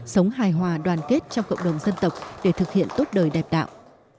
sống hài hòa đoàn kết trong cộng đồng dân tộc để thực hiện tốt đời đẹp đạo